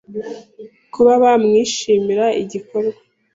kuba bakwishimira igikorwa